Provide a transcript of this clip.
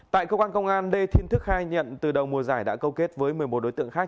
tại cơ quan công an đề thiên thức khai nhận từ đầu mùa giải đã câu kết với một mươi một đối tượng khác